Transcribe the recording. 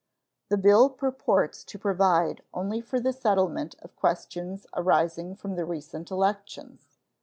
The bill purports to provide only for the settlement of questions arising from the recent elections.